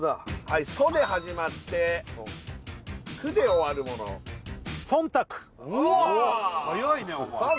はい「そ」で始まって「く」で終わるものわっ！